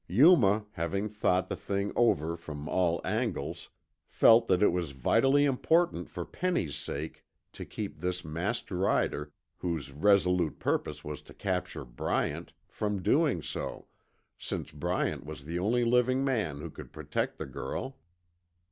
Yuma, having thought the thing over from all angles, felt that it was vitally important for Penny's sake to keep this masked rider, whose resolute purpose was to capture Bryant, from doing so, since Bryant was the only living man who could protect the girl.